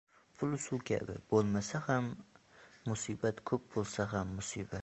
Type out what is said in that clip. • Pul suv kabi: bo‘lmasa ham musibat, ko‘p bo‘lsa ham musibat.